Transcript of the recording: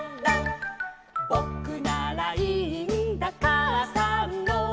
「ぼくならいいんだかあさんの」